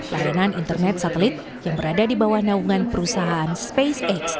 layanan internet satelit yang berada di bawah naungan perusahaan spacex